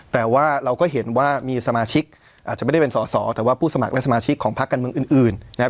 แต่ว่าเราก็เห็นว่ามีสมาชิกอาจจะไม่ได้เป็นสอสอแต่ว่าผู้สมัครและสมาชิกของพักการเมืองอื่นนะครับ